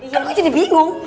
kan gue jadi bingung